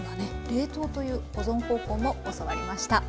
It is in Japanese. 冷凍という保存方法も教わりました。